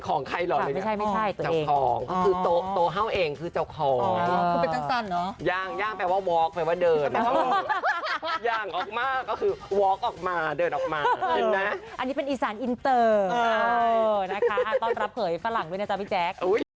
ต้องรับเขยฝรั่งด้วยนะจ้ะพี่แจ็ค